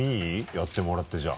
やってもらってじゃあ。